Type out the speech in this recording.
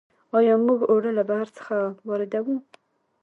آیا موږ اوړه له بهر څخه واردوو؟